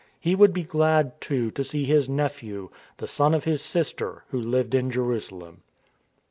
He would be glad, too, to see his nephew, the son of his sister, who lived in Jerusalem.